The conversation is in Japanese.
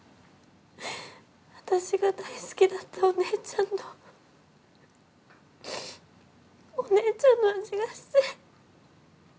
私が大好きだったお姉ちゃんのお姉ちゃんの味がして。